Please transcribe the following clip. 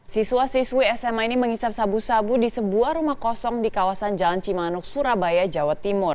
siswa siswi sma ini mengisap sabu sabu di sebuah rumah kosong di kawasan jalan cimanuk surabaya jawa timur